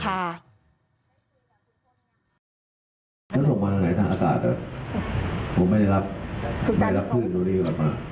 เขาส่งมาไหนทางอาสาทผมไม่ได้รับเพื่อนโดรีกลับมา